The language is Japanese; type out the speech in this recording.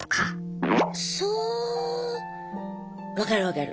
そう分かる分かる。